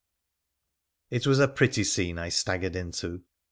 It was a pretty scene I staggered into.